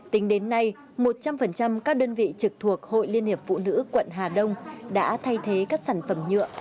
tính đến nay một trăm linh các đơn vị trực thuộc hội liên hiệp phụ nữ quận hà đông đã thay thế các sản phẩm nhựa